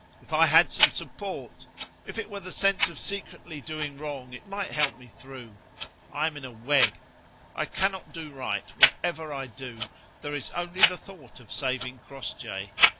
If I had some support! if it were the sense of secretly doing wrong, it might help me through. I am in a web. I cannot do right, whatever I do. There is only the thought of saving Crossjay.